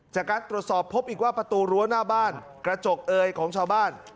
จากการตรวจสอบพบอีกว่าประตูรั้วหน้าบ้านกระจกเอยของชาวบ้าน